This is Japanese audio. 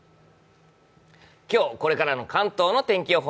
今日これからの関東の天気予報。